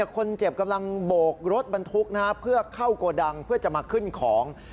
คนเจ็บกำลังโบกรถบรรทุกเพื่อเข้าโกดังเพื่อจะมาขึ้นของ